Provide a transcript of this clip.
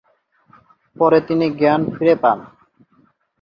পরে তিনি জ্ঞান ফিরে পান।